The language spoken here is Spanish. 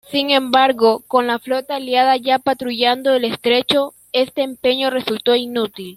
Sin embargo, con la flota aliada ya patrullando el estrecho, este empeño resultó inútil.